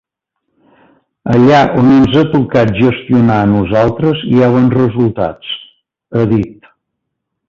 Allà on ens ha tocat gestionar a nosaltres hi ha bons resultats, ha dit.